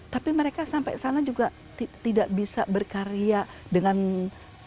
tapi mereka sampai sana juga tidak bisa berkarya dengan